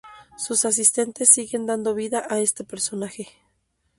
Sus asistentes siguen dando vida a este personaje.